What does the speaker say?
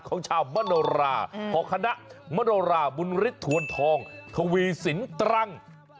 ของชาวมโนราของคณะมโนราบุญฤทธวนทองทวีสินตรัง